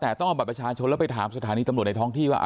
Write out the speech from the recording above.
แต่ต้องเอาบัตรประชาชนแล้วไปถามสถานีตำรวจในท้องที่ว่า